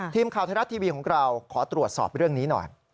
ทีมข่าวไทยรัฐทีวีของเราขอตรวจสอบเรื่องนี้หน่อย